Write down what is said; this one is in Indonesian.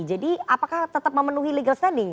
jadi apakah tetap memenuhi legal standing